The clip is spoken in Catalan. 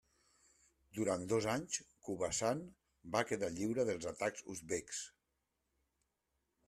Durant dos anys Khorasan va quedar lliure dels atacs uzbeks.